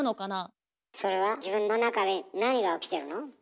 それは自分の中で何が起きてるの？